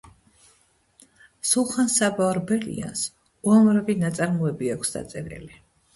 სულხან-საბა ორბელიანს უამრავი ნაწარმოები აქვს დაწერილი